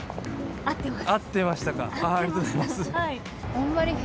合っています。